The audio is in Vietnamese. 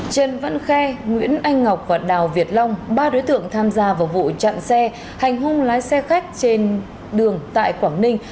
trần văn khe nguyễn anh ngọc và đào việt long ba đối tượng tham gia vào vụ chặn xe hành hung lái xe khách trên đường tại quảng ninh